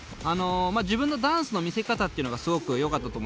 自分のダンスの見せ方っていうのがすごくよかったと思います。